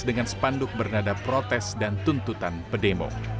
dengan sepanduk bernada protes dan tuntutan pedemo